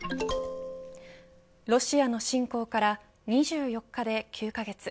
ロシアの侵攻から２４日で９カ月。